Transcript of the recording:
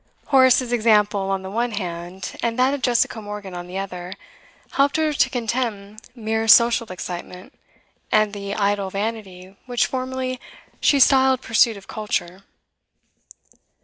Horace's example on the one hand, and that of Jessica Morgan on the other, helped her to contemn mere social excitement and the idle vanity which formerly she styled pursuit of culture.